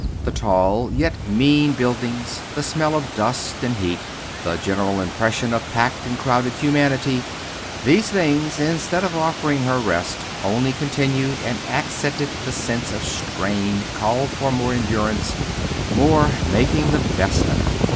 The tall yet mean buildings, the smell of dust and heat, the general impression of packed and crowded humanity these things, instead of offering her rest, only continued and accented the sense of strain, called for more endurance, more making the best of it.